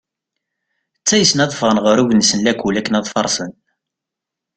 Ttaysen ad d-ffɣen ɣer ugnes n lakul akken ad farsen.